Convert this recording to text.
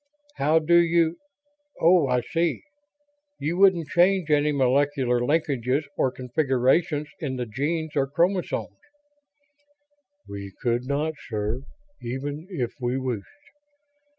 "How do you oh, I see. You wouldn't change any molecular linkages or configurations in the genes or chromosomes." "We could not, sir, even if we wished.